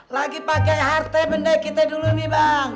lagi pakai harta benda kita dulu nih bang